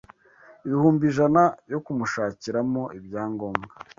ibihumbi ijana yo kumushakiramo ibyangombwa